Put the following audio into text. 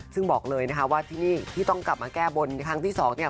ซึ่งบอกเลยนะคะว่าที่นี่ที่ต้องกลับมาแก้บนทางที่๒